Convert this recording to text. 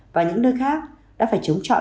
và những nơi khác đã phải chống chọi